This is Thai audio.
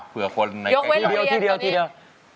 ยกไว้กันดีอย่างเวลานี้